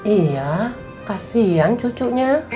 iya kasihan cucunya